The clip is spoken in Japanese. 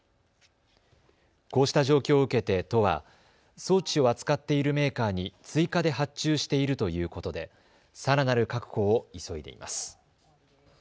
こうした状況を受けて都は装置を扱っているメーカーに追加で発注しているということでさらなる確保を急いでいます。